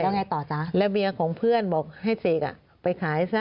ไงต่อจ๊ะแล้วเบียร์ของเพื่อนบอกให้เสกไปขายซะ